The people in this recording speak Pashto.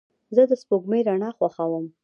زه د سپوږمۍ رڼا خوښوم.